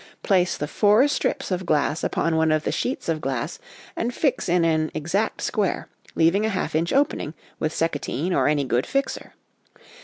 Place the four strips of glass upon one of the sheets of glass and fix in an exact square, leaving a J inch opening, with seccotine or any good fixer.